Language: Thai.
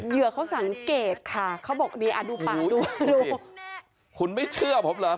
เหยื่อเขาสังเกตค่ะเขาบอกดีอ่ะดูปากดูดูคุณไม่เชื่อผมเหรอ